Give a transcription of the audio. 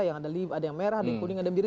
yang ada yang merah yang kuning yang ada yang biru